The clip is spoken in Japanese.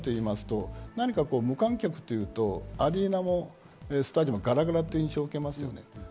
無観客というとアリーナもスタジオもガラガラという印象を受けますよね。